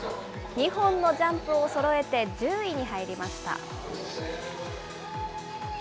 ２本のジャンプをそろえて１０位に入りました。